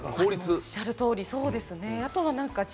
おっしゃる通り、そうですね。